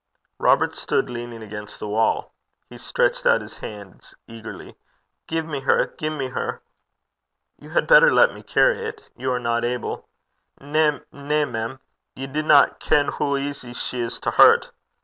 Robert stood leaning against the wall. He stretched out his hands eagerly. 'Gie me her. Gie me her.' 'You had better let me carry it. You are not able.' 'Na, na, mem. Ye dinna ken hoo easy she is to hurt.'